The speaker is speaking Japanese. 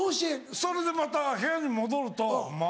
それでまた部屋に戻るとまた。